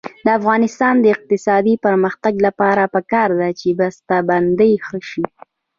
د افغانستان د اقتصادي پرمختګ لپاره پکار ده چې بسته بندي ښه شي.